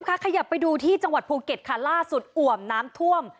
ขยับไปดูที่จังหวัดภูเก็ตค่ะล่าสุดอ่วมน้ำท่วม